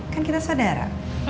kan kita saudara